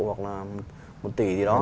hoặc là một tỷ gì đó